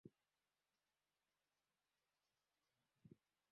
Kifo cha Sultani huyo kilisababisha kudidimia kwa maendeleo ya mji wa Dar es Salaam